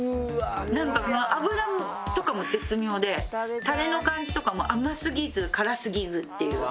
なんか脂とかも絶妙でタレの感じとかも甘すぎず辛すぎずっていう。